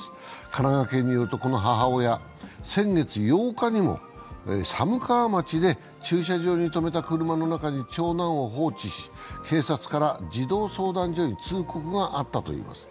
神奈川県によると、この母親は先月８日にも寒川町で駐車場に止めた車の中に長男を放置し警察から児童相談所に通告があったといいます。